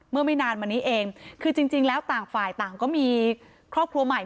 ไม่นานมานี้เองคือจริงแล้วต่างฝ่ายต่างก็มีครอบครัวใหม่